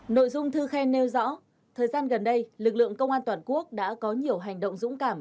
nội dung thư khen nêu rõ thời gian gần đây lực lượng công an toàn quốc đã có nhiều hành động dũng cảm